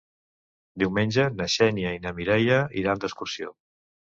Diumenge na Xènia i na Mireia iran d'excursió.